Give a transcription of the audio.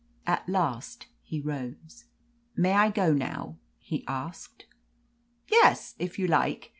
At last he rose. "May I go now?" he asked. "Yes, if you like.